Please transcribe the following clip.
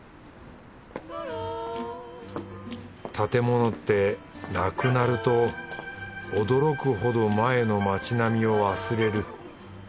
建物ってなくなると驚くほど前の町並みを忘れる。